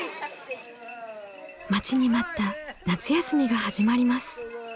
待ちに待った夏休みが始まります。